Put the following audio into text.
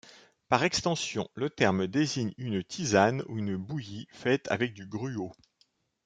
Par extension, le terme désigne une tisane ou une bouillie faite avec du gruau.